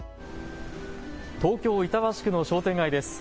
東京板橋区の商店街です。